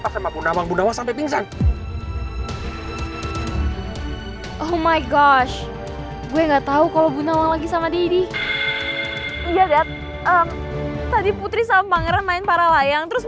sampai jumpa di video selanjutnya